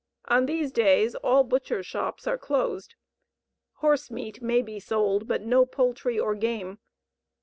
On these days all butchers' shops are closed. Horse meat may be sold, but no poultry or game.